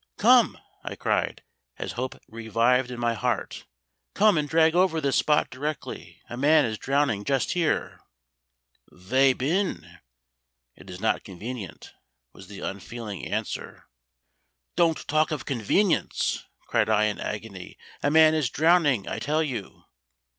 "Come!" I cried, as hope revived in my heart. "Come and drag over this spot directly; a man is drowning just here!" "Veh bin" (It is not convenient), was the unfeeling answer. "Don't talk of convenience!" cried I in an agony; "a man is drowning, I tell you!"